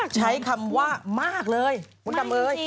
ใช้คำว่ามากเลยคุณดำเอ๋ย